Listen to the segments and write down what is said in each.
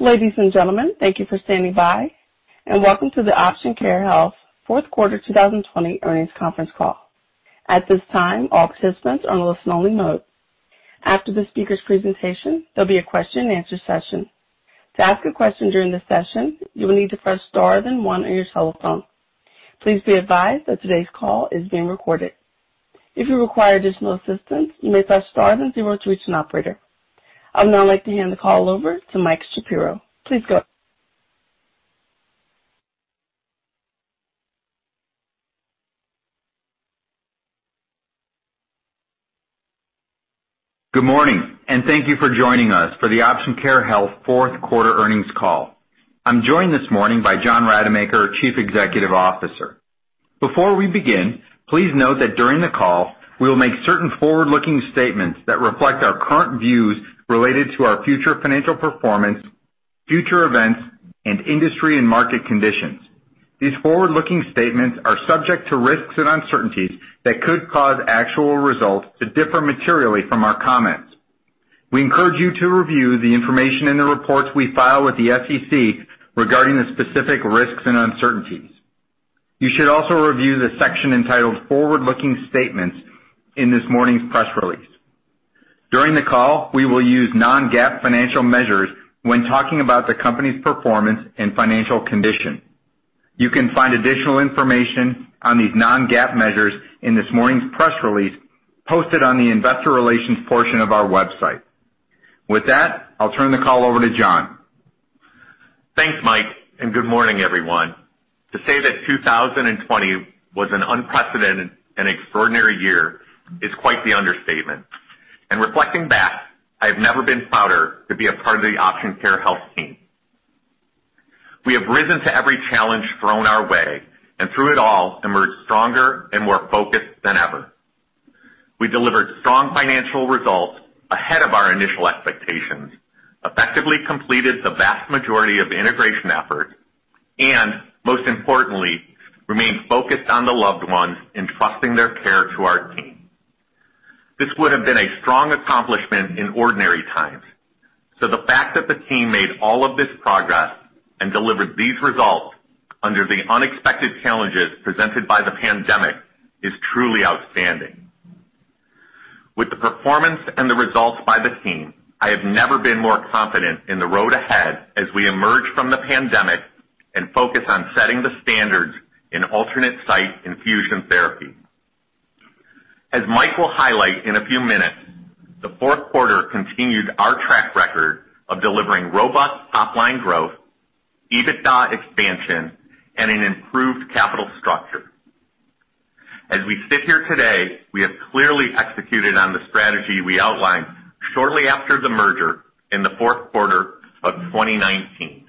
Ladies and gentlemen, thank you for standing by, and welcome to the Option Care Health Fourth Quarter 2020 Earnings Conference Call. At this time all speakers are on only-listen mode. After the speakers presentation there will be a question and answer session. To ask a question during the session you will need to press star the one on your telephone. I would now like to hand the call over to Michael Shapiro. Please go ahead. Good morning. Thank you for joining us for the Option Care Health Fourth Quarter Earnings call. I'm joined this morning by John Rademacher, Chief Executive Officer. Before we begin, please note that during the call, we will make certain forward-looking statements that reflect our current views related to our future financial performance, future events, and industry and market conditions. These forward-looking statements are subject to risks and uncertainties that could cause actual results to differ materially from our comments. We encourage you to review the information in the reports we file with the SEC regarding the specific risks and uncertainties. You should also review the section entitled Forward-Looking Statements in this morning's press release. During the call, we will use non-GAAP financial measures when talking about the company's performance and financial condition. You can find additional information on these non-GAAP measures in this morning's press release posted on the investor relations portion of our website. With that, I'll turn the call over to John. Thanks, Mike. Good morning, everyone. To say that 2020 was an unprecedented and extraordinary year is quite the understatement. In reflecting back, I have never been prouder to be a part of the Option Care Health team. We have risen to every challenge thrown our way, and through it all, emerged stronger and more focused than ever. We delivered strong financial results ahead of our initial expectations, effectively completed the vast majority of integration efforts, and most importantly, remained focused on the loved ones entrusting their care to our team. This would have been a strong accomplishment in ordinary times. The fact that the team made all of this progress and delivered these results under the unexpected challenges presented by the pandemic is truly outstanding. With the performance and the results by the team, I have never been more confident in the road ahead as we emerge from the pandemic and focus on setting the standards in alternate site infusion therapy. As Mike will highlight in a few minutes, the fourth quarter continued our track record of delivering robust top-line growth, EBITDA expansion, and an improved capital structure. As we sit here today, we have clearly executed on the strategy we outlined shortly after the merger in the fourth quarter of 2019.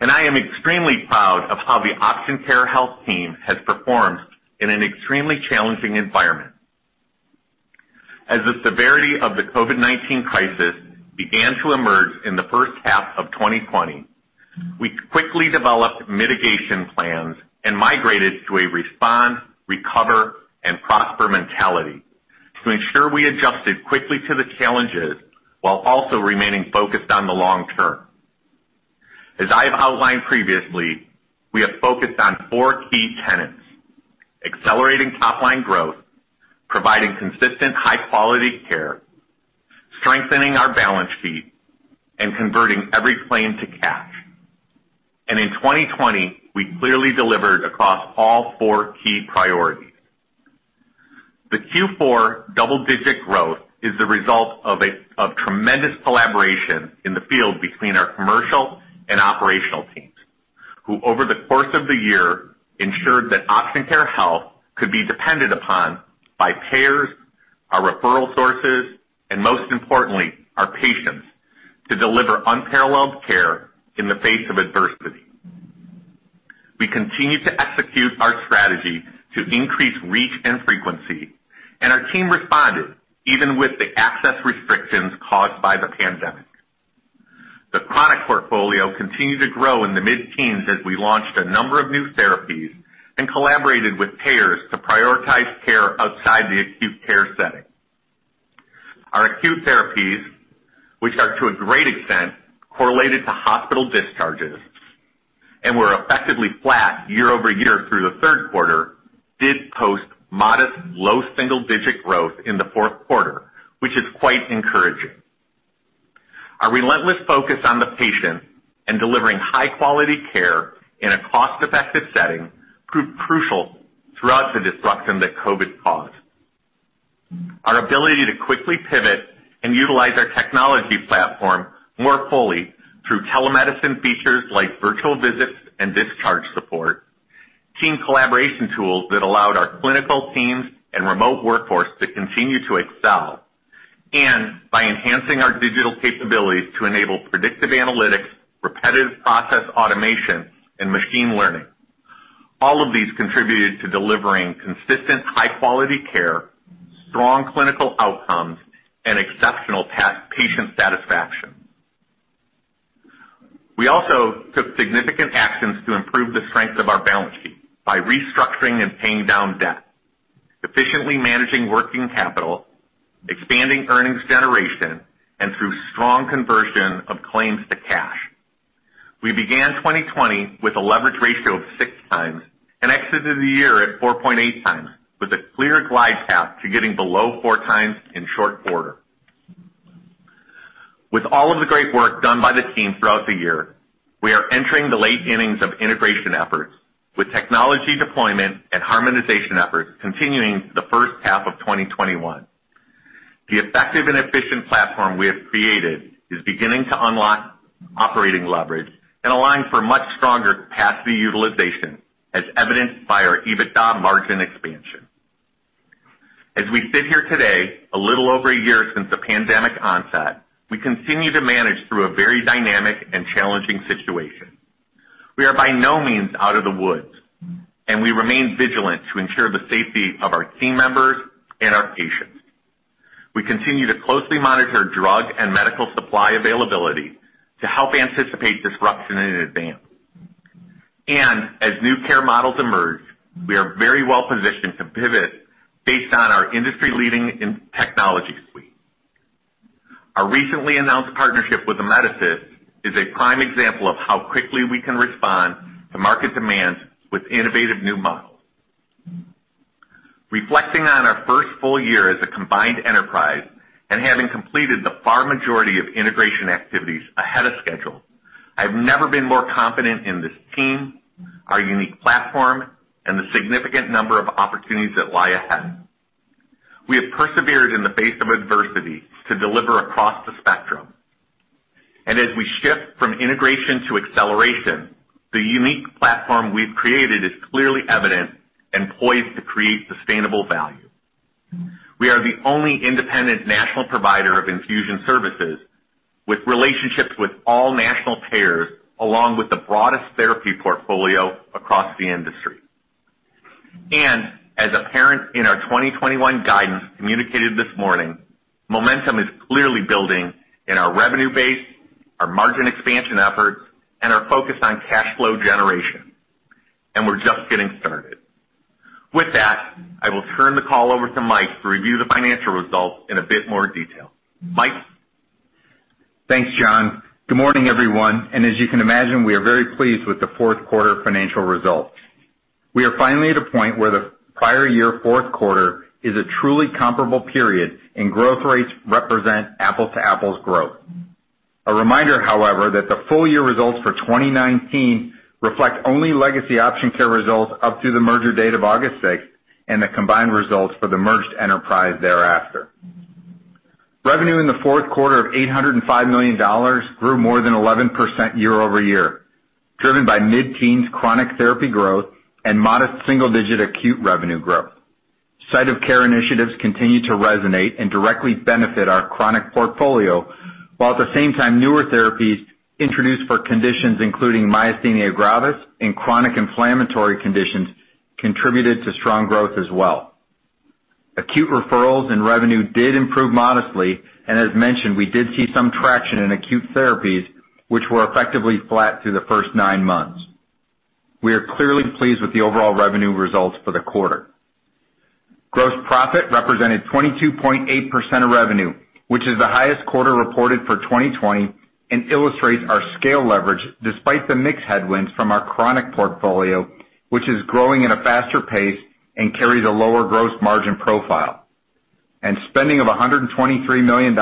I am extremely proud of how the Option Care Health team has performed in an extremely challenging environment. As the severity of the COVID-19 crisis began to emerge in the first half of 2020, we quickly developed mitigation plans and migrated to a respond, recover, and prosper mentality to ensure we adjusted quickly to the challenges while also remaining focused on the long term. As I've outlined previously, we have focused on four key tenets: accelerating top-line growth, providing consistent high-quality care, strengthening our balance sheet, and converting every claim to cash. In 2020, we clearly delivered across all four key priorities. The Q4 double-digit growth is the result of tremendous collaboration in the field between our commercial and operational teams, who over the course of the year ensured that Option Care Health could be depended upon by payers, our referral sources, and most importantly, our patients, to deliver unparalleled care in the face of adversity. We continue to execute our strategy to increase reach and frequency, and our team responded even with the access restrictions caused by the pandemic. The product portfolio continued to grow in the mid-teens as we launched a number of new therapies and collaborated with payers to prioritize care outside the acute care setting. Our acute therapies, which are to a great extent correlated to hospital discharges and were effectively flat year-over-year through the third quarter, did post modest low double-digit growth in the fourth quarter, which is quite encouraging. Our relentless focus on the patient and delivering high-quality care in a cost-effective setting proved crucial throughout the disruption that COVID caused. Our ability to quickly pivot and utilize our technology platform more fully through telemedicine features like virtual visits and discharge support, team collaboration tools that allowed our clinical teams and remote workforce to continue to excel, and by enhancing our digital capabilities to enable predictive analytics, repetitive process automation, and machine learning. All of these contributed to delivering consistent high-quality care, strong clinical outcomes, and exceptional patient satisfaction. We also took significant actions to improve the strength of our balance sheet by restructuring and paying down debt. Efficiently managing working capital, expanding earnings generation, and through strong conversion of claims to cash. We began 2020 with a leverage ratio of 6 times and exited the year at 4.8 times, with a clear glide path to getting below 4 times in short quarter. With all of the great work done by the team throughout the year, we are entering the late innings of integration efforts with technology deployment and harmonization efforts continuing through the first half of 2021. The effective and efficient platform we have created is beginning to unlock operating leverage and allowing for much stronger capacity utilization as evidenced by our EBITDA margin expansion. As we sit here today, a little over a year since the pandemic onset, we continue to manage through a very dynamic and challenging situation. We are by no means out of the woods, and we remain vigilant to ensure the safety of our team members and our patients. We continue to closely monitor drug and medical supply availability to help anticipate disruption in advance. As new care models emerge, we are very well positioned to pivot based on our industry-leading technology suite. Our recently announced partnership with Amedisys is a prime example of how quickly we can respond to market demands with innovative new models. Reflecting on our first full year as a combined enterprise and having completed the far majority of integration activities ahead of schedule, I've never been more confident in this team, our unique platform, and the significant number of opportunities that lie ahead. We have persevered in the face of adversity to deliver across the spectrum. As we shift from integration to acceleration, the unique platform we've created is clearly evident and poised to create sustainable value. We are the only independent national provider of infusion services with relationships with all national payers, along with the broadest therapy portfolio across the industry. As apparent in our 2021 guidance communicated this morning, momentum is clearly building in our revenue base, our margin expansion efforts, and our focus on cash flow generation, and we're just getting started. With that, I will turn the call over to Mike to review the financial results in a bit more detail. Mike? Thanks, John. Good morning, everyone, and as you can imagine, we are very pleased with the fourth quarter financial results. We are finally at a point where the prior year fourth quarter is a truly comparable period, and growth rates represent apple-to-apples growth. A reminder, however, that the full year results for 2019 reflect only legacy Option Care results up through the merger date of August 6th and the combined results for the merged enterprise thereafter. Revenue in the fourth quarter of $805 million grew more than 11% year-over-year, driven by mid-teens chronic therapy growth and modest single-digit acute revenue growth. Site of care initiatives continued to resonate and directly benefit our chronic portfolio, while at the same time, newer therapies introduced for conditions including myasthenia gravis and chronic inflammatory conditions contributed to strong growth as well. Acute referrals and revenue did improve modestly, as mentioned, we did see some traction in acute therapies, which were effectively flat through the first nine months. We are clearly pleased with the overall revenue results for the quarter. Gross profit represented 22.8% of revenue, which is the highest quarter reported for 2020 and illustrates our scale leverage despite the mix headwinds from our chronic portfolio, which is growing at a faster pace and carries a lower gross margin profile. Spending of $123 million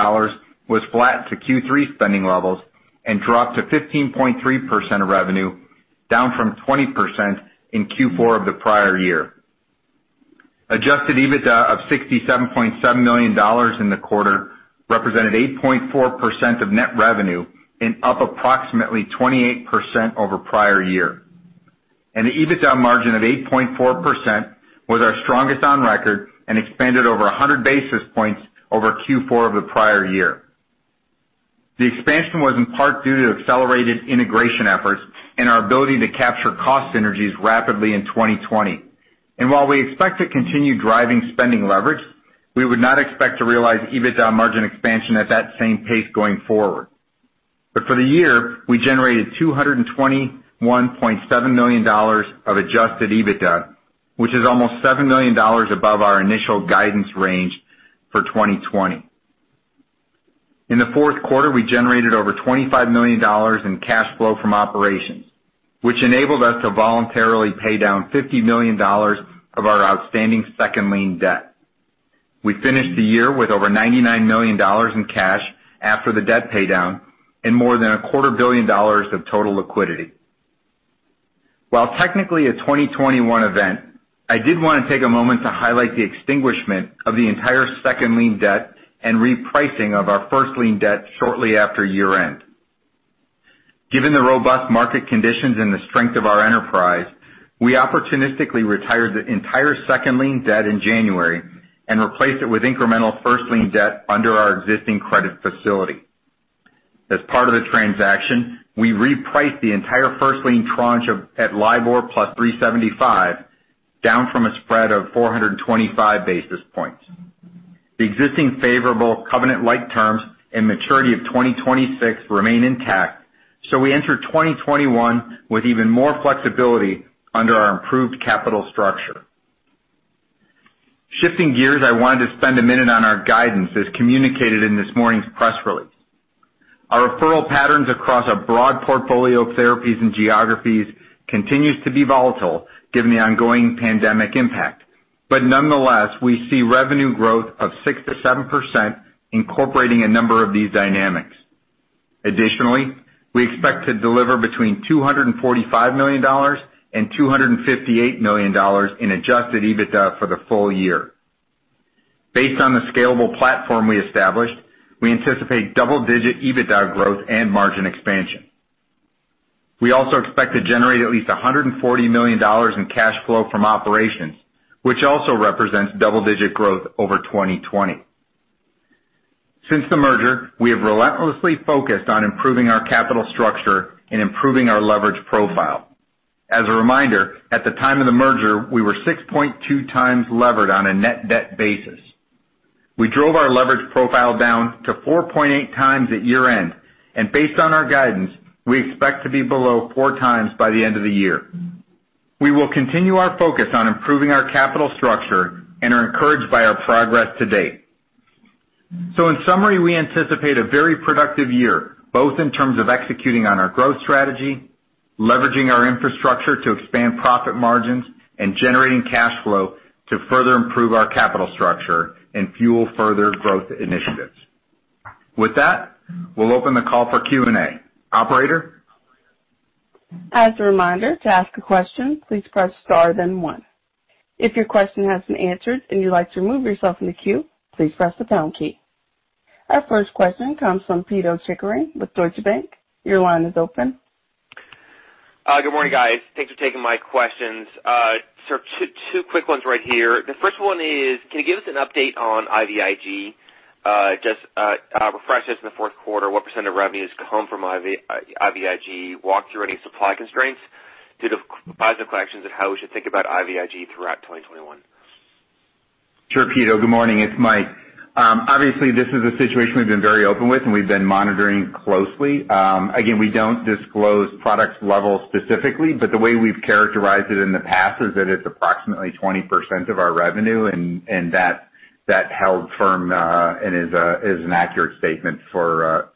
was flat to Q3 spending levels and dropped to 15.3% of revenue, down from 20% in Q4 of the prior year. Adjusted EBITDA of $67.7 million in the quarter represented 8.4% of net revenue and up approximately 28% over prior year. The EBITDA margin of 8.4% was our strongest on record and expanded over 100 basis points over Q4 of the prior year. The expansion was in part due to accelerated integration efforts and our ability to capture cost synergies rapidly in 2020. While we expect to continue driving spending leverage, we would not expect to realize EBITDA margin expansion at that same pace going forward. For the year, we generated $221.7 million of Adjusted EBITDA, which is almost $7 million above our initial guidance range for 2020. In the fourth quarter, we generated over $25 million in cash flow from operations, which enabled us to voluntarily pay down $50 million of our outstanding second lien debt. We finished the year with over $99 million in cash after the debt paydown and more than a quarter billion dollars of total liquidity. While technically a 2021 event, I did want to take a moment to highlight the extinguishment of the entire second lien debt and repricing of our first lien debt shortly after year-end. Given the robust market conditions and the strength of our enterprise, we opportunistically retired the entire second lien debt in January and replaced it with incremental first lien debt under our existing credit facility. As part of the transaction, we repriced the entire first lien tranche at LIBOR +375, down from a spread of 425 basis points. The existing favorable covenant-like terms and maturity of 2026 remain intact. We enter 2021 with even more flexibility under our improved capital structure. Shifting gears, I wanted to spend a minute on our guidance as communicated in this morning's press release. Our referral patterns across our broad portfolio of therapies and geographies continues to be volatile given the ongoing pandemic impact. Nonetheless, we see revenue growth of 6%-7% incorporating a number of these dynamics. Additionally, we expect to deliver between $245 million and $258 million in adjusted EBITDA for the full year. Based on the scalable platform we established, we anticipate double-digit EBITDA growth and margin expansion. We also expect to generate at least $140 million in cash flow from operations, which also represents double-digit growth over 2020. Since the merger, we have relentlessly focused on improving our capital structure and improving our leverage profile. As a reminder, at the time of the merger, we were 6.2 times levered on a net debt basis. We drove our leverage profile down to 4.8 times at year-end. Based on our guidance, we expect to be below four times by the end of the year. We will continue our focus on improving our capital structure and are encouraged by our progress to date. In summary, we anticipate a very productive year, both in terms of executing on our growth strategy, leveraging our infrastructure to expand profit margins, and generating cash flow to further improve our capital structure and fuel further growth initiatives. With that, we'll open the call for Q&A. Operator? As a reminder, to ask a question, please press star then one. If your question has been answered and you'd like to remove yourself from the queue, please press the pound key. Our first question comes from Pito Chickering with Deutsche Bank. Your line is open. Good morning, guys. Thanks for taking my questions. Two quick ones right here. The first one is, can you give us an update on IVIg? Just refresh us in the fourth quarter, what % of revenues come from IVIg? Walk through any supply constraints due to plasma collections and how we should think about IVIg throughout 2021. Sure, Pito. Good morning. It's Mike. This is a situation we've been very open with, and we've been monitoring closely. We don't disclose product levels specifically, but the way we've characterized it in the past is that it's approximately 20% of our revenue, and that held firm, and is an accurate statement for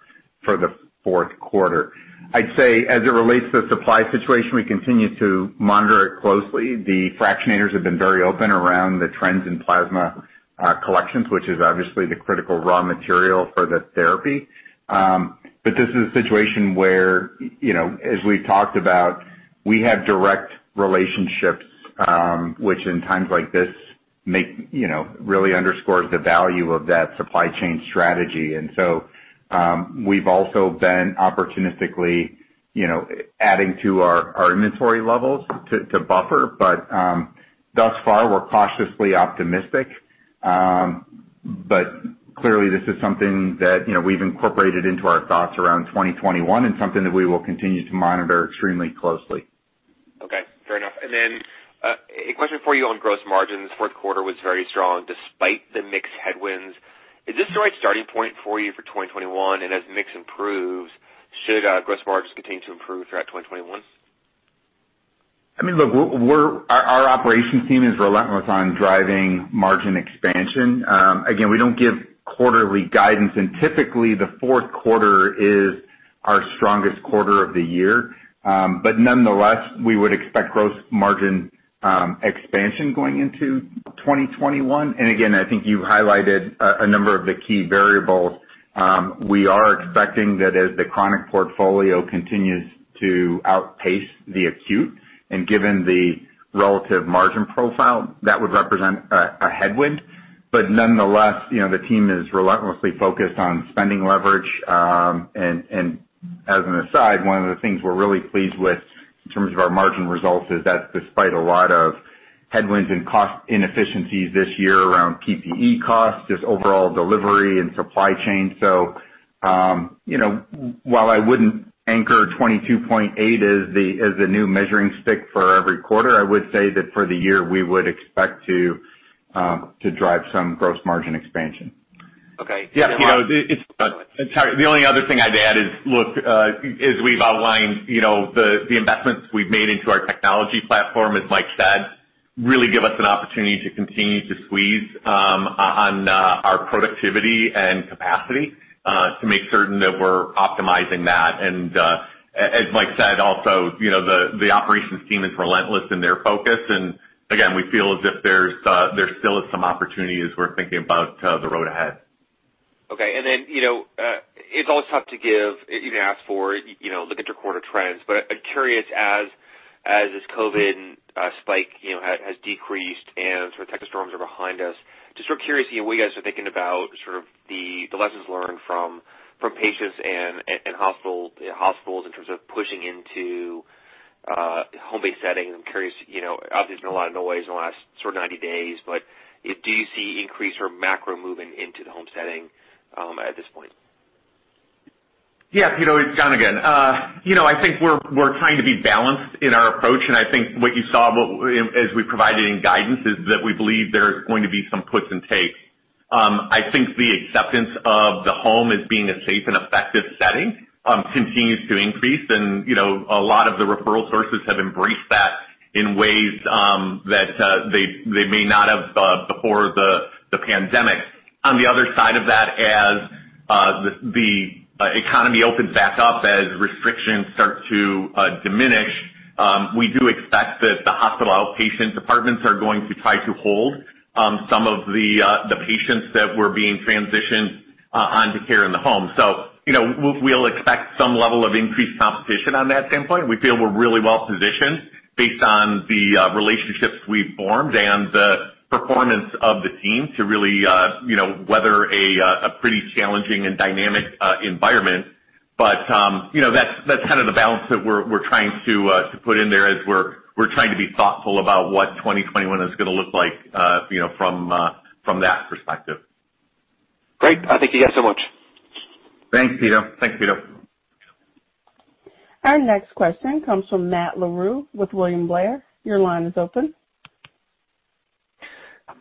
the fourth quarter. I'd say, as it relates to the supply situation, we continue to monitor it closely. The fractionators have been very open around the trends in plasma collections, which is obviously the critical raw material for the therapy. This is a situation where, as we've talked about, we have direct relationships, which in times like this really underscores the value of that supply chain strategy. We've also been opportunistically adding to our inventory levels to buffer. Thus far, we're cautiously optimistic. Clearly, this is something that we've incorporated into our thoughts around 2021 and something that we will continue to monitor extremely closely. Okay. Fair enough. A question for you on gross margins. Fourth quarter was very strong despite the mix headwinds. Is this the right starting point for you for 2021? As mix improves, should gross margins continue to improve throughout 2021? Our operations team is relentless on driving margin expansion. We don't give quarterly guidance, and typically, the fourth quarter is our strongest quarter of the year. Nonetheless, we would expect gross margin expansion going into 2021. I think you've highlighted a number of the key variables. We are expecting that as the chronic portfolio continues to outpace the acute, and given the relative margin profile, that would represent a headwind. Nonetheless, the team is relentlessly focused on spending leverage. As an aside, one of the things we're really pleased with in terms of our margin results is that despite a lot of headwinds and cost inefficiencies this year around PPE costs, just overall delivery and supply chain. While I wouldn't anchor 22.8% as the new measuring stick for every quarter, I would say that for the year, we would expect to drive some gross margin expansion. Okay. Yeah. The only other thing I'd add is, look, as we've outlined, the investments we've made into our technology platform, as Mike said, really give us an opportunity to continue to squeeze on our productivity and capacity to make certain that we're optimizing that. As Mike said, also, the operations team is relentless in their focus. Again, we feel as if there still is some opportunity as we're thinking about the road ahead. Okay. It's always tough to give, you can ask for, look at your quarter trends, but I'm curious as this COVID-19 spike has decreased and Texas storms are behind us, just curious what you guys are thinking about the lessons learned from patients and hospitals in terms of pushing into home-based settings. I'm curious, obviously, there's been a lot of noise in the last 90 days, but do you see increase or macro moving into the home setting at this point? Yes, Pito, it's John again. I think we're trying to be balanced in our approach, and I think what you saw as we provided in guidance is that we believe there is going to be some twists and takes. I think the acceptance of the home as being a safe and effective setting continues to increase. A lot of the referral sources have embraced that in ways that they may not have before the pandemic. On the other side of that, as the economy opens back up, as restrictions start to diminish, we do expect that the hospital outpatient departments are going to try to hold some of the patients that were being transitioned onto care in the home. We'll expect some level of increased competition on that standpoint. We feel we're really well-positioned based on the relationships we've formed and the performance of the team to really weather a pretty challenging and dynamic environment. That's kind of the balance that we're trying to put in there as we're trying to be thoughtful about what 2021 is going to look like from that perspective. Great. Thank you guys so much. Thanks, Pito. Our next question comes from Matt Larew with William Blair. Your line is open.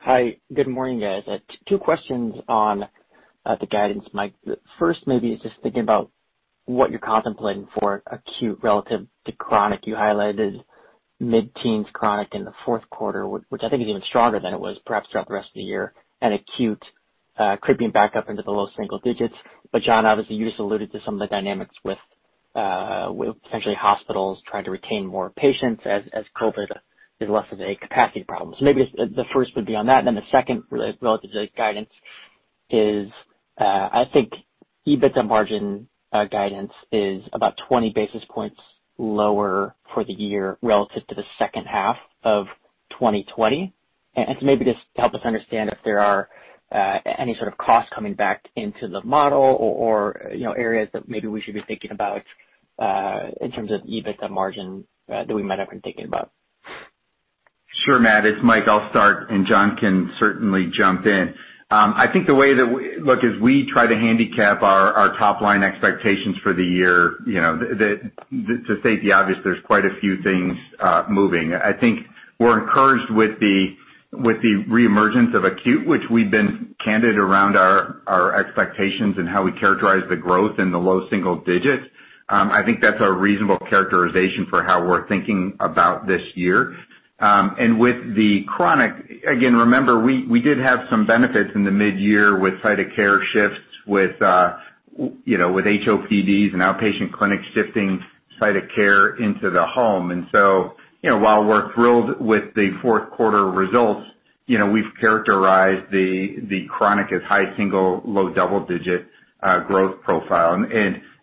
Hi. Good morning, guys. Two questions on the guidance, Mike. First maybe is just thinking about what you're contemplating for acute relative to chronic. You highlighted mid-teens chronic in the fourth quarter, which I think is even stronger than it was perhaps throughout the rest of the year, and acute creeping back up into the low single digits. John, obviously, you just alluded to some of the dynamics with potentially hospitals trying to retain more patients as COVID-19 is less of a capacity problem. Maybe the first would be on that, and then the second relative to the guidance is, I think EBITDA margin guidance is about 20 basis points lower for the year relative to the second half of 2020. To maybe just help us understand if there are any sort of costs coming back into the model or areas that maybe we should be thinking about in terms of EBITDA margin that we might have been thinking about. Sure, Matt, it's Mike. I'll start. John can certainly jump in. I think the way that we look, as we try to handicap our top-line expectations for the year, to state the obvious, there's quite a few things moving. I think we're encouraged with the reemergence of acute, which we've been candid around our expectations and how we characterize the growth in the low single digits. I think that's a reasonable characterization for how we're thinking about this year. With the chronic, again, remember, we did have some benefits in the mid-year with site of care shifts, with HOPDs and outpatient clinics shifting site of care into the home. While we're thrilled with the fourth quarter results, we've characterized the chronic as high single, low double-digit growth profile.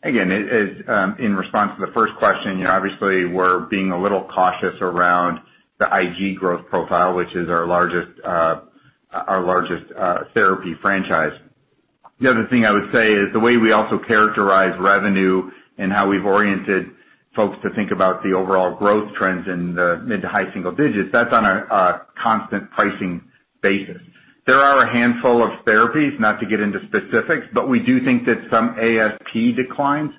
Again, in response to the first question, obviously, we're being a little cautious around the IG growth profile, which is our largest therapy franchise. The other thing I would say is the way we also characterize revenue and how we've oriented folks to think about the overall growth trends in the mid to high single digits, that's on a constant pricing basis. There are a handful of therapies, not to get into specifics, but we do think that some ASP declines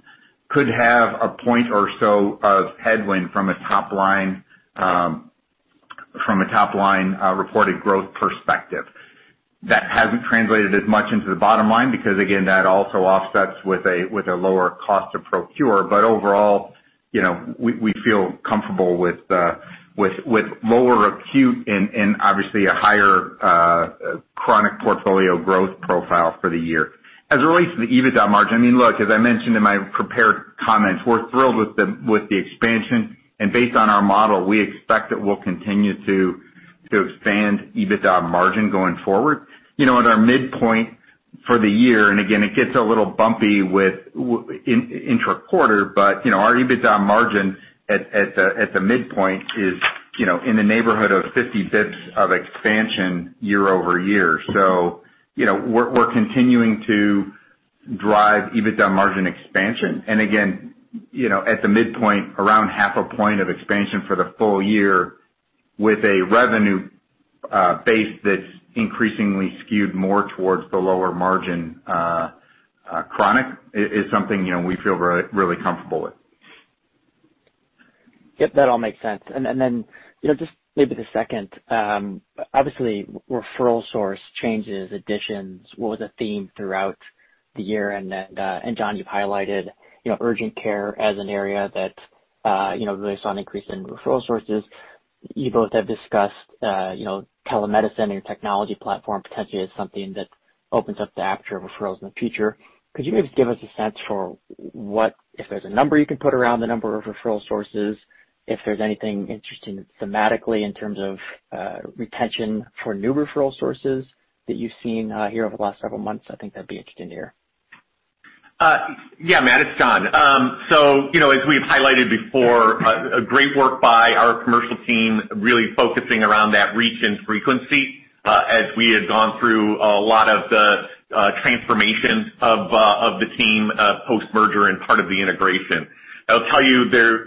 could have a point or so of headwind from a top-line reported growth perspective. That hasn't translated as much into the bottom line because, again, that also offsets with a lower cost of procure. Overall, we feel comfortable with lower acute and obviously a higher chronic portfolio growth profile for the year. As it relates to the EBITDA margin, look, as I mentioned in my prepared comments, we're thrilled with the expansion, and based on our model, we expect that we'll continue to expand EBITDA margin going forward. At our midpoint for the year, and again, it gets a little bumpy with intra-quarter, but our EBITDA margin at the midpoint is in the neighborhood of 50 basis points of expansion year-over-year. We're continuing to drive EBITDA margin expansion. Again, at the midpoint, around half a point of expansion for the full year with a revenue base that's increasingly skewed more towards the lower margin chronic is something we feel really comfortable with. Yep, that all makes sense. Just maybe the second, obviously referral source changes, additions was a theme throughout the year and John, you've highlighted urgent care as an area that relates on increase in referral sources. You both have discussed telemedicine and your technology platform potentially as something that opens up the aperture of referrals in the future. Could you maybe give us a sense for If there's a number you can put around the number of referral sources, if there's anything interesting thematically in terms of retention for new referral sources that you've seen here over the last several months, I think that'd be interesting to hear. Yeah, Matt, it's John. As we've highlighted before, great work by our commercial team really focusing around that reach and frequency as we had gone through a lot of the transformations of the team post-merger and part of the integration. I'll tell you,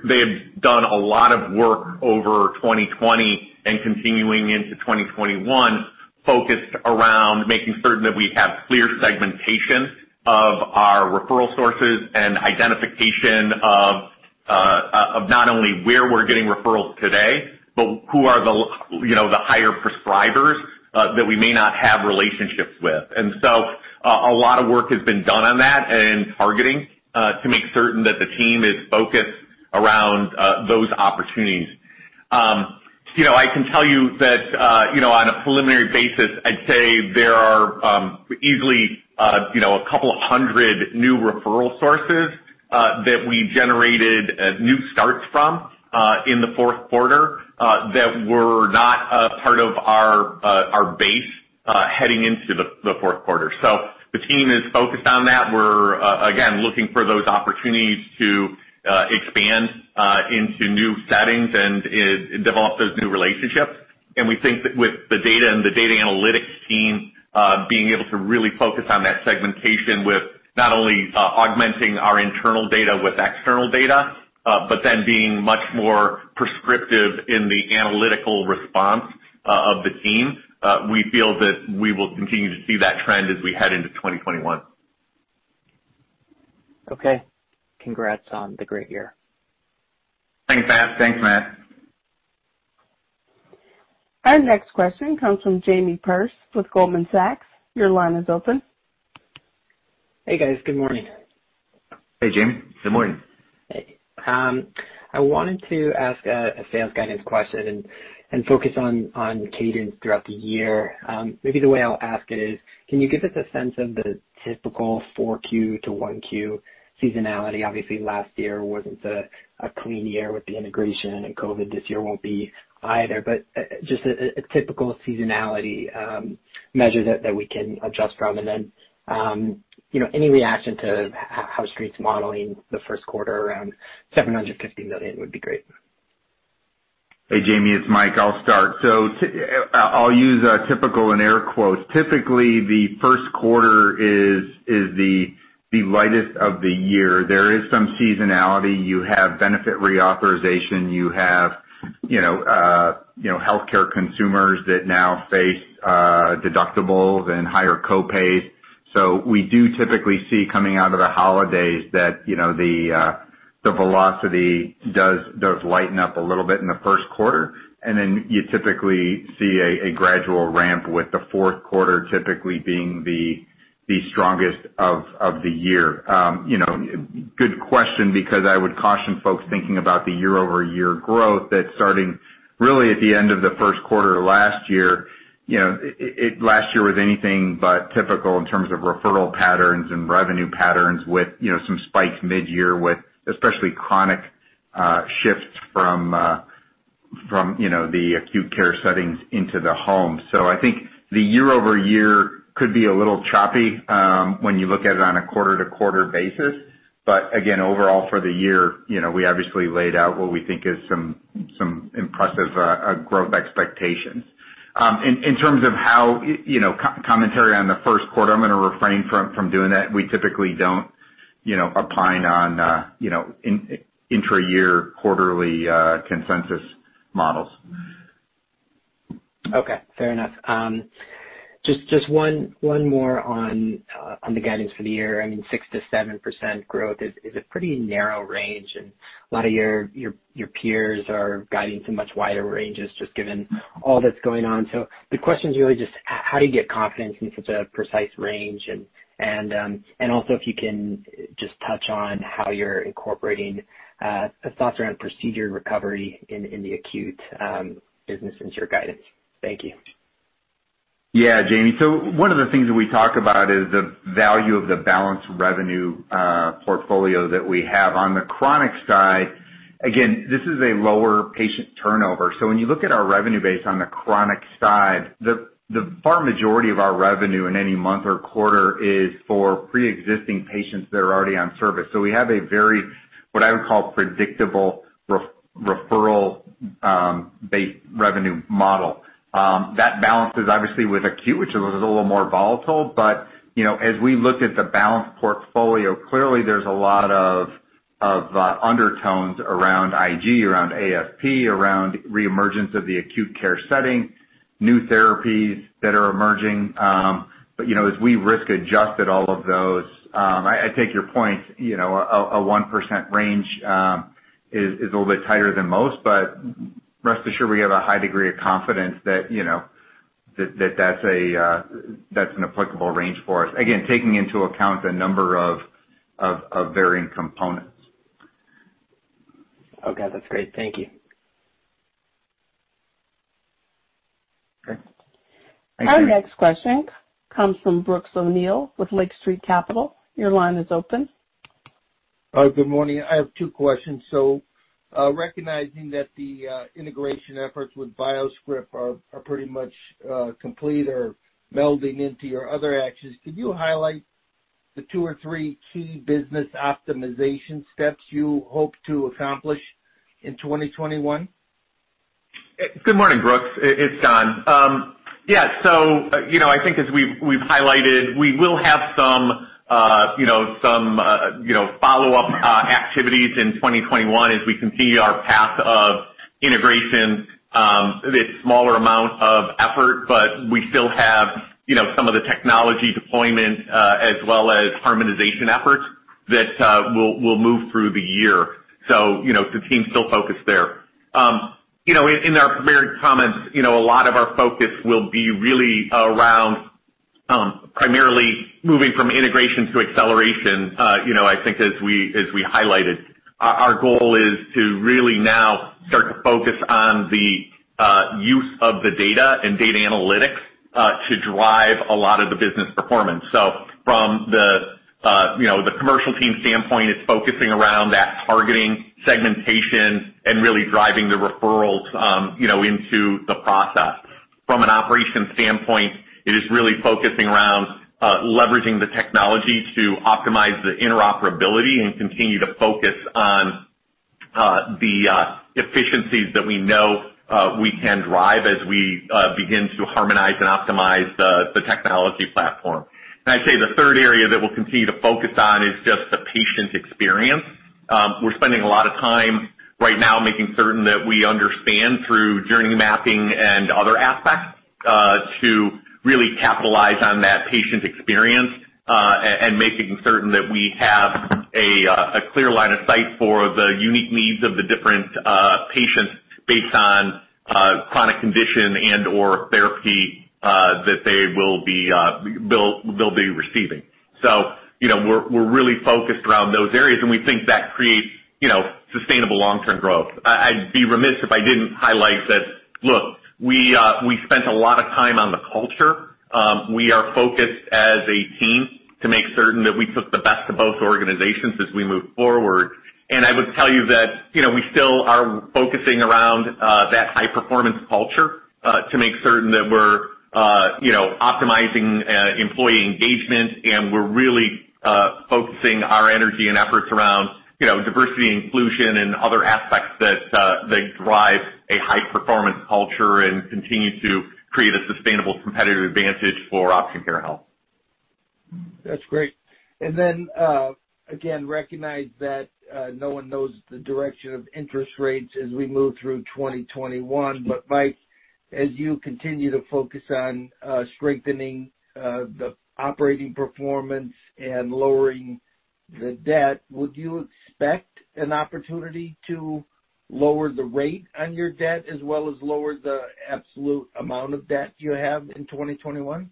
they have done a lot of work over 2020 and continuing into 2021. Focused around making certain that we have clear segmentation of our referral sources and identification of not only where we're getting referrals today, but who are the higher prescribers that we may not have relationships with. A lot of work has been done on that and targeting, to make certain that the team is focused around those opportunities. I can tell you that on a preliminary basis, I'd say there are easily a couple of hundred new referral sources that we generated new starts from in the fourth quarter, that were not a part of our base heading into the fourth quarter. The team is focused on that. We're again, looking for those opportunities to expand into new settings and develop those new relationships. We think that with the data and the data analytics team being able to really focus on that segmentation with not only augmenting our internal data with external data, but then being much more prescriptive in the analytical response of the team, we feel that we will continue to see that trend as we head into 2021. Okay. Congrats on the great year. Thanks, Matt. Our next question comes from Jamie Perse with Goldman Sachs. Your line is open. Hey, guys. Good morning. Hey, Jamie. Good morning. Hey. I wanted to ask a sales guidance question and focus on cadence throughout the year. Maybe the way I'll ask it is, can you give us a sense of the typical 4Q to 1Q seasonality? Obviously, last year wasn't a clean year with the integration and COVID. This year won't be either, just a typical seasonality measure that we can adjust from. Any reaction to how Street's modeling the first quarter around $750 million would be great. Hey, Jamie, it's Mike. I'll start. I'll use typical in air quotes. Typically, the first quarter is the lightest of the year. There is some seasonality. You have benefit reauthorization, you have healthcare consumers that now face deductibles and higher co-pays. We do typically see coming out of the holidays that the velocity does lighten up a little bit in the first quarter, and then you typically see a gradual ramp with the fourth quarter typically being the strongest of the year. Good question, because I would caution folks thinking about the year-over-year growth that's starting really at the end of the first quarter last year. Last year was anything but typical in terms of referral patterns and revenue patterns with some spikes mid-year with especially chronic shifts from the acute care settings into the home. I think the year-over-year could be a little choppy when you look at it on a quarter-to-quarter basis. Again, overall for the year, we obviously laid out what we think is some impressive growth expectations. In terms of commentary on the first quarter, I'm going to refrain from doing that. We typically don't opine on intra-year quarterly consensus models. Okay. Fair enough. Just one more on the guidance for the year. I mean, 6%-7% growth is a pretty narrow range, and a lot of your peers are guiding to much wider ranges, just given all that's going on. The question is really just how do you get confidence in such a precise range? Also if you can just touch on how you're incorporating thoughts around procedure recovery in the acute business since your guidance. Thank you. Yeah, Jamie. One of the things that we talk about is the value of the balanced revenue portfolio that we have. On the chronic side, again, this is a lower patient turnover. When you look at our revenue base on the chronic side, the far majority of our revenue in any month or quarter is for preexisting patients that are already on service. We have a very, what I would call, predictable referral base revenue model. That balances obviously with acute, which is a little more volatile. As we look at the balanced portfolio, clearly there's a lot of undertones around Ig, around AFP, around reemergence of the acute care setting, new therapies that are emerging. As we risk adjusted all of those, I take your point, a 1% range is a little bit tighter than most, but rest assured we have a high degree of confidence that's an applicable range for us. Again, taking into account the number of varying components. Okay. That's great. Thank you. Okay. Our next question comes from Brooks O'Neil with Lake Street Capital. Your line is open. Good morning. I have two questions. Recognizing that the integration efforts with BioScrip are pretty much complete or melding into your other actions, could you highlight the two or three key business optimization steps you hope to accomplish in 2021? Good morning, Brooks. It's John. Yeah. I think as we've highlighted, we will have some follow-up activities in 2021 as we continue our path of integration, the smaller amount of effort, but we still have some of the technology deployment, as well as harmonization efforts that will move through the year. The team's still focused there. In our prepared comments, a lot of our focus will be really around, primarily moving from integration to acceleration, I think as we highlighted. Our goal is to really now start to focus on the use of the data and data analytics, to drive a lot of the business performance. From the commercial team standpoint, it's focusing around that targeting segmentation and really driving the referrals into the process. From an operations standpoint, it is really focusing around leveraging the technology to optimize the interoperability and continue to focus on the efficiencies that we know we can drive as we begin to harmonize and optimize the technology platform. I'd say the third area that we'll continue to focus on is just the patient experience. We're spending a lot of time right now making certain that we understand through journey mapping and other aspects, to really capitalize on that patient experience, and making certain that we have a clear line of sight for the unique needs of the different patients based on chronic condition and/or therapy that they'll be receiving. We're really focused around those areas, and we think that creates sustainable long-term growth. I'd be remiss if I didn't highlight that, look, we spent a lot of time on the culture. We are focused as a team to make certain that we took the best of both organizations as we move forward. I would tell you that we still are focusing around that high performance culture, to make certain that we're optimizing employee engagement and we're really focusing our energy and efforts around diversity and inclusion and other aspects that drive a high performance culture and continue to create a sustainable competitive advantage for Option Care Health. That's great. Again, recognize that no one knows the direction of interest rates as we move through 2021. Mike, as you continue to focus on strengthening the operating performance and lowering the debt, would you expect an opportunity to lower the rate on your debt as well as lower the absolute amount of debt you have in 2021?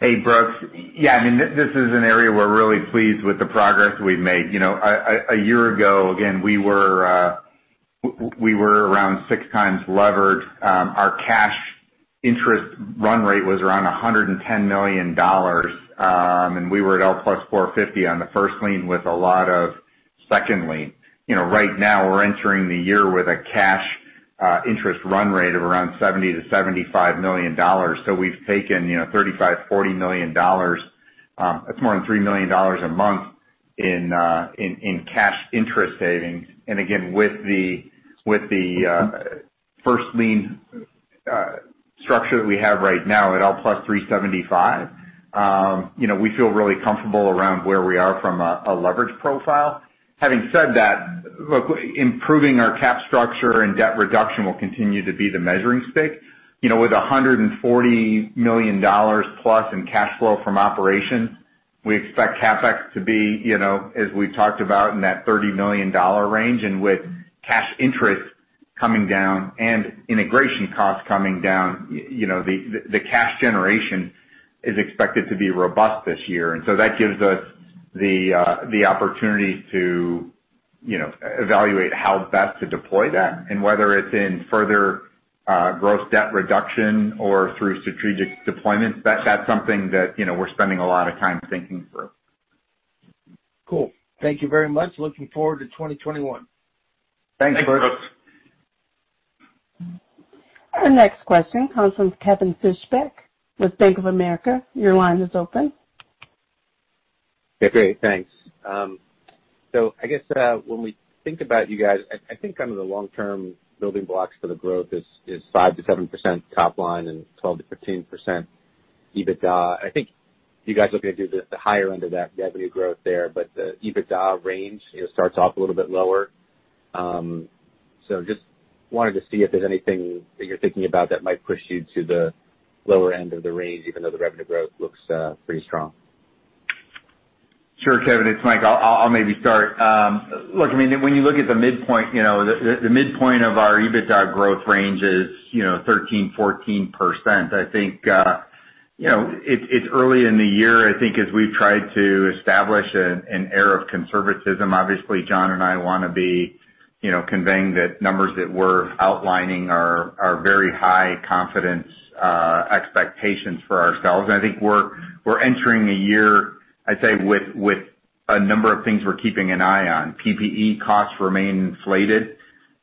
Hey, Brooks. Yeah, this is an area we're really pleased with the progress we've made. A year ago, again, we were around 6 times levered. Our cash interest run rate was around $110 million, and we were at L + 450 on the first lien with a lot of second lien. Right now, we're entering the year with a cash interest run rate of around $70 million-$75 million. We've taken $35 million, $40 million. That's more than $3 million a month in cash interest savings. Again, with the first lien structure that we have right now at L + 375, we feel really comfortable around where we are from a leverage profile. Having said that, look, improving our cap structure and debt reduction will continue to be the measuring stick. With $140 million plus in cash flow from operations, we expect CapEx to be, as we've talked about, in that $30 million range. With cash interest coming down and integration costs coming down, the cash generation is expected to be robust this year. That gives us the opportunity to evaluate how best to deploy that and whether it's in further gross debt reduction or through strategic deployments. That's something that we're spending a lot of time thinking through. Cool. Thank you very much. Looking forward to 2021. Thanks, Brooks. Thanks, Brooks. Our next question comes from Kevin Fischbeck with Bank of America. Your line is open. Yeah, great. Thanks. I guess, when we think about you guys, I think the long-term building blocks for the growth is 5%-7% top line and 12%-15% EBITDA. I think you guys are looking to do the higher end of that revenue growth there, but the EBITDA range starts off a little bit lower. Just wanted to see if there's anything that you're thinking about that might push you to the lower end of the range, even though the revenue growth looks pretty strong. Sure, Kevin. It's Mike. I'll maybe start. Look, when you look at the midpoint, the midpoint of our EBITDA growth range is 13, 14%. I think, it's early in the year. I think as we've tried to establish an air of conservatism, obviously John and I want to be conveying that numbers that we're outlining are very high confidence expectations for ourselves. I think we're entering a year, I'd say, with a number of things we're keeping an eye on. PPE costs remain inflated.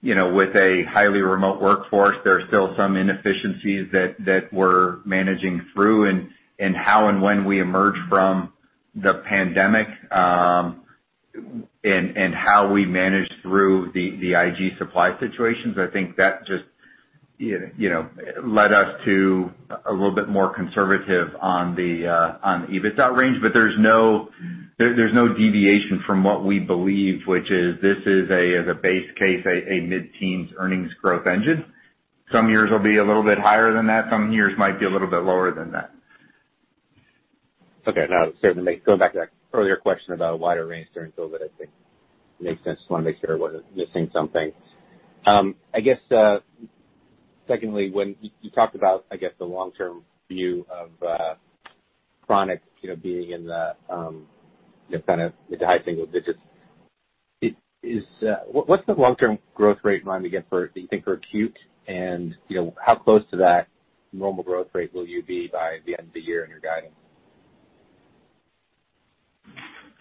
With a highly remote workforce, there are still some inefficiencies that we're managing through and how and when we emerge from the pandemic, and how we manage through the Ig supply situations. Led us to a little bit more conservative on the EBITDA range, but there's no deviation from what we believe, which is this is a, as a base case, a mid-teens earnings growth engine. Some years will be a little bit higher than that. Some years might be a little bit lower than that. Okay. No, certainly. Going back to that earlier question about a wider range there, That, I think makes sense. Just want to make sure I wasn't missing something. I guess, secondly, when you talked about the long-term view of chronic being in the high single digits, what's the long-term growth rate mind you get, do you think for acute? How close to that normal growth rate will you be by the end of the year in your guidance?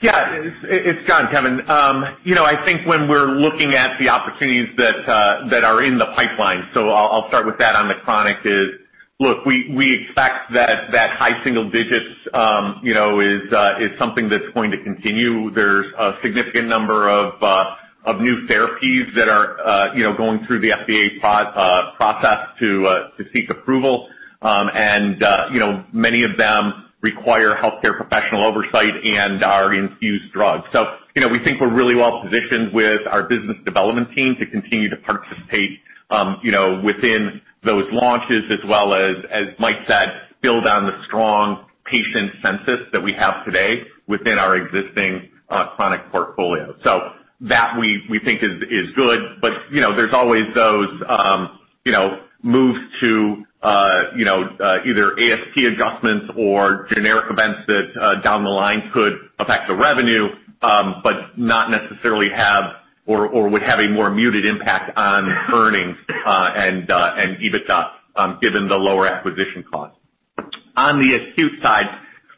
Yeah. It's John, Kevin. I think when we're looking at the opportunities that are in the pipeline, so I'll start with that on the chronic is, look, we expect that that high single digits is something that's going to continue. There's a significant number of new therapies that are going through the FDA process to seek approval. Many of them require healthcare professional oversight and are infused drugs. We think we're really well-positioned with our business development team to continue to participate within those launches as well as Mike said, build on the strong patient census that we have today within our existing chronic portfolio. That we think is good. There's always those moves to either ASP adjustments or generic events that down the line could affect the revenue, but not necessarily have or would have a more muted impact on earnings and EBITDA, given the lower acquisition costs. On the acute side,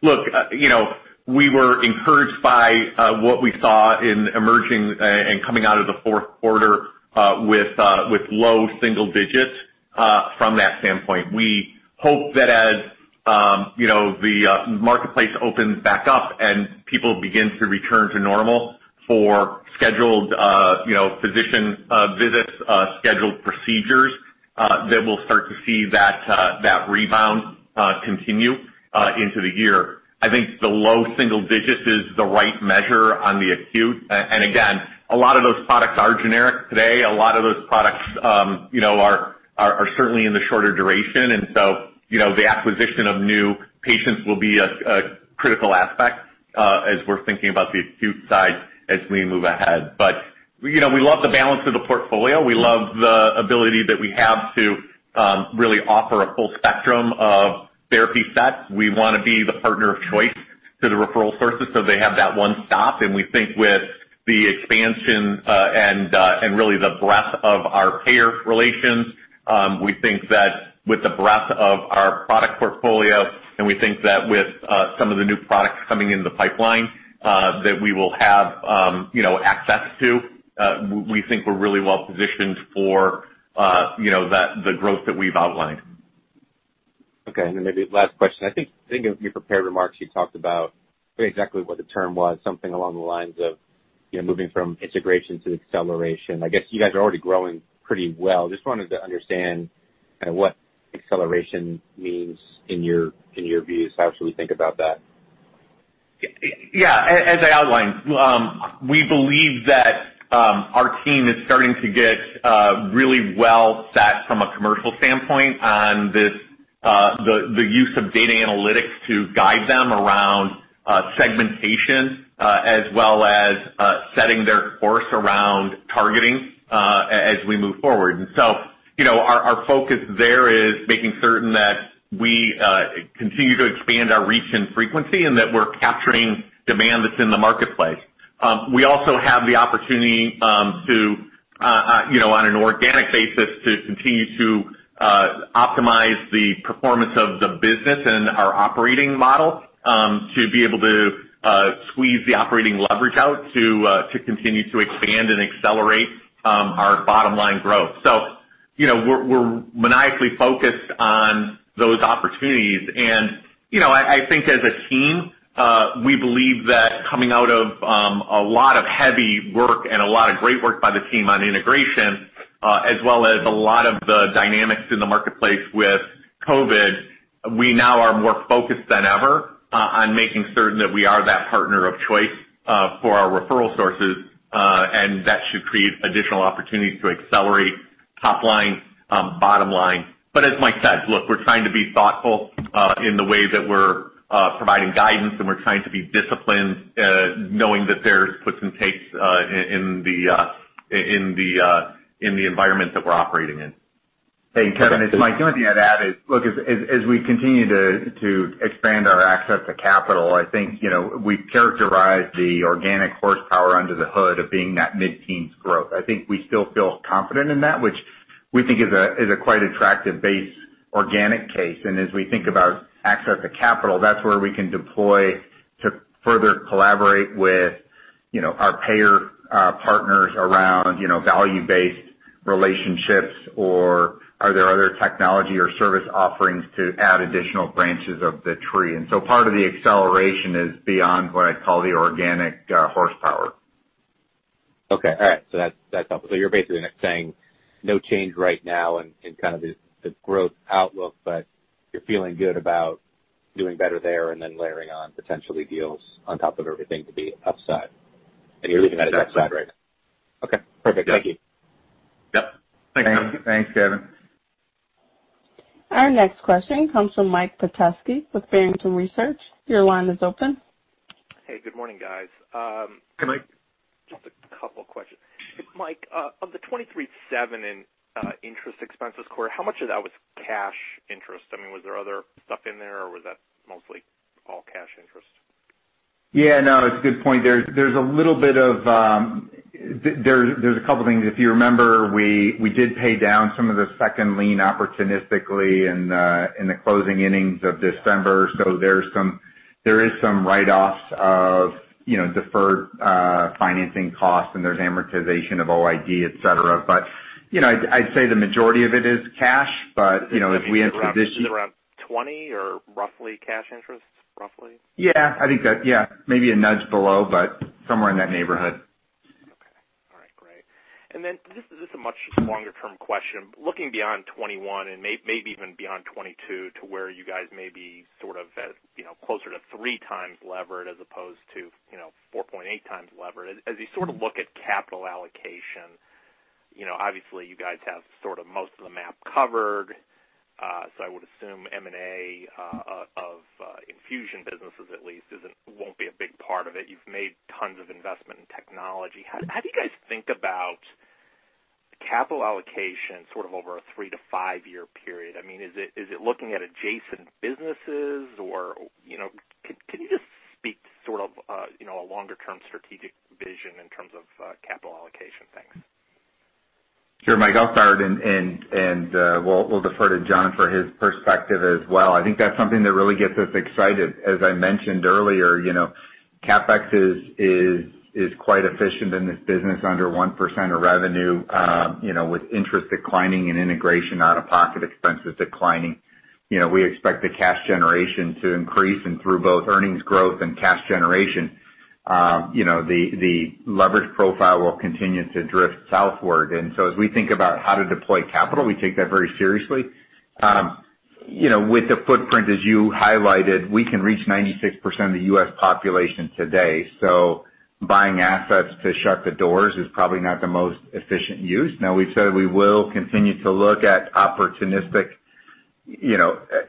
look, we were encouraged by what we saw in emerging and coming out of the fourth quarter, with low double digits from that standpoint. We hope that as the marketplace opens back up and people begin to return to normal for scheduled physician visits, scheduled procedures, that we'll start to see that rebound continue into the year. I think the low single digits is the right measure on the acute. Again, a lot of those products are generic today. A lot of those products are certainly in the shorter duration. The acquisition of new patients will be a critical aspect as we're thinking about the acute side as we move ahead. We love the balance of the portfolio. We love the ability that we have to really offer a full spectrum of therapy sets. We want to be the partner of choice to the referral sources, so they have that one stop. We think with the expansion, and really the breadth of our payer relations, we think that with the breadth of our product portfolio, and we think that with some of the new products coming in the pipeline, that we will have access to. We think we're really well-positioned for the growth that we've outlined. Okay. Then maybe last question. I think in your prepared remarks, you talked about, forget exactly what the term was, something along the lines of moving from integration to acceleration. I guess you guys are already growing pretty well. Just wanted to understand what acceleration means in your views. How should we think about that? Yeah. As I outlined, we believe that our team is starting to get really well set from a commercial standpoint on the use of data analytics to guide them around segmentation, as well as setting their course around targeting as we move forward. Our focus there is making certain that we continue to expand our reach and frequency and that we're capturing demand that's in the marketplace. We also have the opportunity to, on an organic basis, to continue to optimize the performance of the business and our operating model to be able to squeeze the operating leverage out to continue to expand and accelerate our bottom-line growth. We're maniacally focused on those opportunities. I think as a team, we believe that coming out of a lot of heavy work and a lot of great work by the team on integration, as well as a lot of the dynamics in the marketplace with COVID-19, we now are more focused than ever on making certain that we are that partner of choice for our referral sources. That should create additional opportunities to accelerate top line, bottom line. As Mike said, look, we're trying to be thoughtful in the way that we're providing guidance, and we're trying to be disciplined, knowing that there's puts and takes in the environment that we're operating in. Okay. Hey, Kevin, it's Mike. The only thing I'd add is, look, as we continue to expand our access to capital, I think we characterize the organic horsepower under the hood of being that mid-teens growth. I think we still feel confident in that, which we think is a quite attractive base organic case. As we think about access to capital, that's where we can deploy to further collaborate with our payer partners around value-based relationships or are there other technology or service offerings to add additional branches of the tree? Part of the acceleration is beyond what I'd call the organic horsepower. Okay. All right. That's helpful. You're basically saying no change right now in the growth outlook, but you're feeling good about doing better there and then layering on potentially deals on top of everything to be upside. You're leaving that as upside, right? Exactly. Okay, perfect. Thank you. Yep. Thanks, Kevin. Thanks, Kevin. Our next question comes from Mike Petusky with Barrington Research. Your line is open. Hey, good morning, guys. Hey, Mike. Just a couple questions. Mike, of the $23.7 in interest expenses quarter, how much of that was cash interest? I mean, was there other stuff in there, or was that mostly all cash interest? Yeah, no, it's a good point. There's a couple things. If you remember, we did pay down some of the second lien opportunistically in the closing innings of December. There's some write-offs of deferred financing costs, and there's amortization of OID, et cetera. I'd say the majority of it is cash. Is it around $20 or roughly cash interest? Roughly? Yeah. Maybe a nudge below, but somewhere in that neighborhood. Okay. All right, great. This is a much longer-term question. Looking beyond 2021 and maybe even beyond 2022 to where you guys may be sort of closer to three times levered as opposed to 4.8 times levered. As you sort of look at capital allocation, obviously, you guys have sort of most of the map covered. I would assume M&A of infusion businesses at least won't be a big part of it. You've made tons of investment in technology. How do you guys think about capital allocation sort of over a three to five-year period? I mean, is it looking at adjacent businesses or can you just speak to sort of a longer-term strategic vision in terms of capital allocation? Thanks. Sure, Mike. I'll start and we'll defer to John for his perspective as well. I think that's something that really gets us excited. As I mentioned earlier, CapEx is quite efficient in this business, under 1% of revenue. With interest declining and integration out-of-pocket expenses declining, we expect the cash generation to increase, and through both earnings growth and cash generation, the leverage profile will continue to drift southward. As we think about how to deploy capital, we take that very seriously. With the footprint as you highlighted, we can reach 96% of the U.S. population today. Buying assets to shut the doors is probably not the most efficient use. Now we've said we will continue to look at opportunistic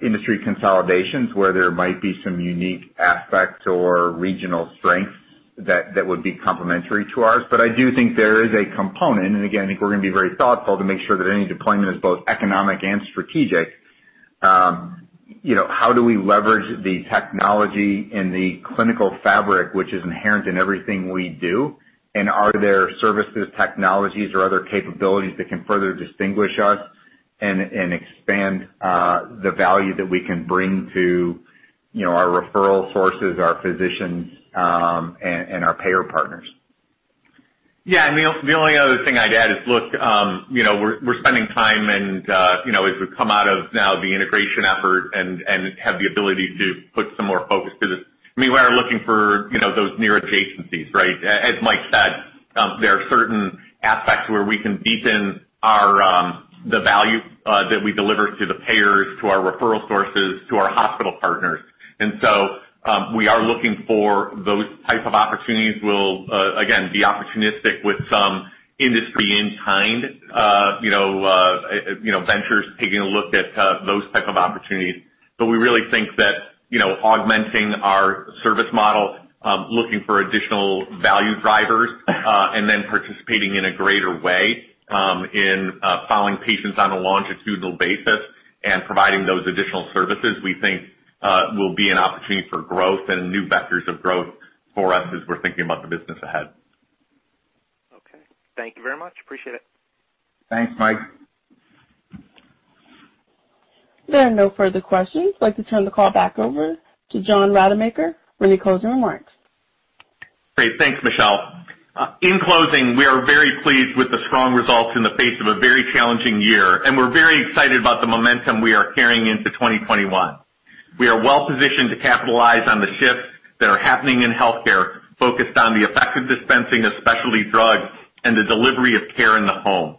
industry consolidations where there might be some unique aspects or regional strengths that would be complementary to ours. I do think there is a component, and again, I think we're going to be very thoughtful to make sure that any deployment is both economic and strategic. How do we leverage the technology and the clinical fabric which is inherent in everything we do? Are there services, technologies, or other capabilities that can further distinguish us and expand the value that we can bring to our referral sources, our physicians, and our payer partners? Yeah. I mean, the only other thing I'd add is, look, we're spending time and as we come out of now the integration effort and have the ability to put some more focus to this, I mean, we're looking for those near adjacencies, right? As Mike said, there are certain aspects where we can deepen the value that we deliver to the payers, to our referral sources, to our hospital partners. We are looking for those type of opportunities. We'll, again, be opportunistic with some industry in kind ventures, taking a look at those type of opportunities. We really think that augmenting our service model, looking for additional value drivers, and then participating in a greater way in following patients on a longitudinal basis and providing those additional services, we think will be an opportunity for growth and new vectors of growth for us as we're thinking about the business ahead. Okay. Thank you very much. Appreciate it. Thanks, Mike. There are no further questions. I'd like to turn the call back over to John Rademacher for any closing remarks. Great. Thanks, Michelle. In closing, we are very pleased with the strong results in the face of a very challenging year, and we're very excited about the momentum we are carrying into 2021. We are well-positioned to capitalize on the shifts that are happening in healthcare, focused on the effective dispensing of specialty drugs and the delivery of care in the home.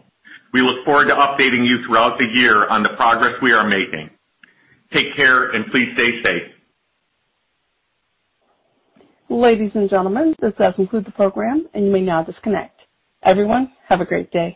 We look forward to updating you throughout the year on the progress we are making. Take care and please stay safe. Ladies and gentlemen, this does conclude the program, and you may now disconnect. Everyone, have a great day.